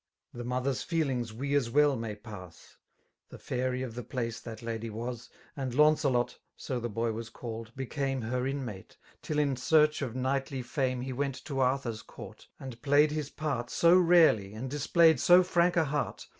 The mother's feelings we as well may pass :^ The fairy of the place that lady was. And Launcelot (so the boy was c«dled) became Her inmate, tUl in search of knightly fame He went to Arthur's court, and played his part So rarely, and displayed so frank a heart.